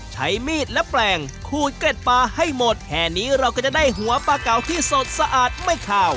ใช้มีดและแปลงขูดเกร็ดปลาให้หมดแค่นี้เราก็จะได้หัวปลาเก่าที่สดสะอาดไม่ขาว